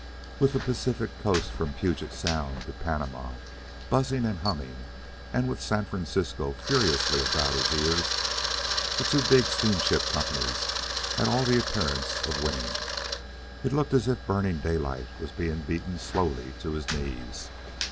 With the Pacific coast from Peugeot Sound to Panama, buzzing and humming, and with San Francisco furiously about his ears, the two big steamship companies had all the appearance of winning. It looked as if Burning Daylight was being beaten slowly to his knees.